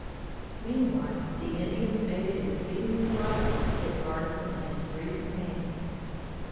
Meanwhile the Indians made it exceedingly lively for Kit Carson and his three companions.